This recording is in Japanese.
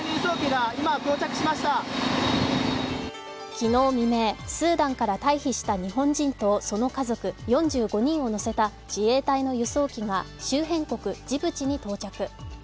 昨日未明、スーダンから退避した日本人とその家族４５人を乗せた自衛隊の輸送機が周辺国ジブチに到着。